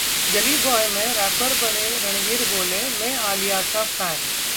'गली बॉय' में रैपर बने रणवीर बोले, 'मैं आलिया का फैन'